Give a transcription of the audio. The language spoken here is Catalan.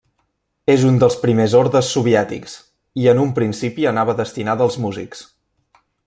És un dels primers ordes soviètics, i en un principi anava destinada als músics.